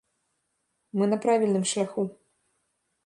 Мы на правільным шляху.